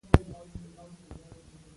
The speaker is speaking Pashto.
غیرت انسان ته د عزت لاره ښيي